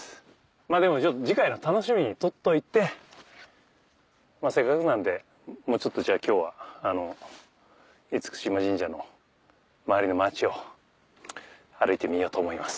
まぁでもちょっと次回の楽しみに取っといてせっかくなんでもうちょっと今日は嚴島神社の周りの町を歩いてみようと思います。